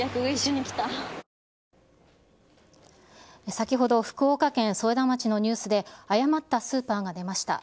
先ほど福岡県添田町のニュースで、誤ったスーパーが出ました。